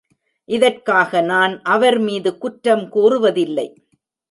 இதற்காக நான் அவர்மீது குற்றம் கூறுவதில்லை.